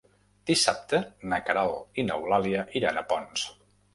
Dissabte na Queralt i n'Eulàlia iran a Ponts.